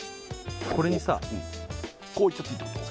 これにさこういっちゃっていいってこと？